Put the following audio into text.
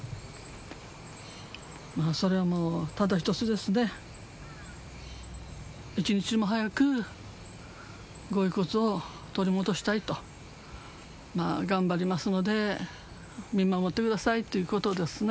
それはもうただ一つですね一日も早くご遺骨を取り戻したいとまあ頑張りますので見守ってくださいということですね